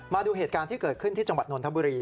มาดูเหตุการณ์ที่เกิดขึ้นที่จังหวัดนนทบุรี